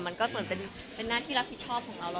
มันก็เหมือนเป็นหน้าที่รับผิดชอบของเรา